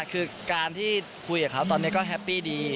คือการที่คุยกับเขาตอนนี้ก็แฮปปี้ดี